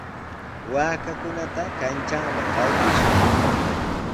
Waakakunata kanchanman qaykushun.